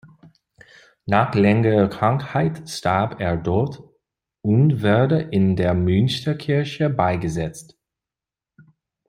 Nach längerer Krankheit starb er dort und wurde in der Münsterkirche beigesetzt.